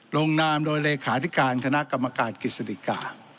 ลงนามโดยเลขาธิการคณะกรรมการกฤษฎิกา